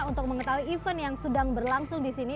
untuk mengetahui event yang sedang berlangsung disini